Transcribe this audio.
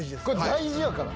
大事やから。